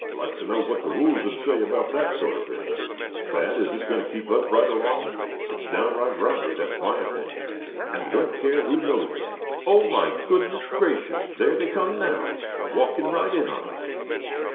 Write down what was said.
Like to know what the rules'd say to that sort of thing. Thad, is this going to keep up right along? It's downright robbery, that's my opinion; and I don't care who knows it. Oh! my goodness gracious! there they come now, walkin' right in on us!"